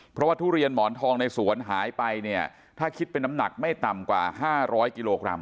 เพราะว่าทุเรียนหมอนทองในสวนหายไปเนี่ยถ้าคิดเป็นน้ำหนักไม่ต่ำกว่า๕๐๐กิโลกรัม